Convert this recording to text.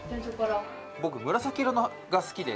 僕紫色が好きで色で。